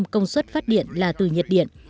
chín mươi công suất phát điện là từ nhiệt điện